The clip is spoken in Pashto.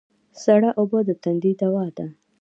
سړه اوبه د تندې دوا ده